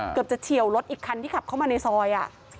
เกือบจะเฉียวรถอีกคันที่ขับเข้ามาในซอย